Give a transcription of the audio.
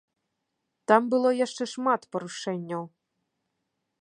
Там было яшчэ шмат парушэнняў.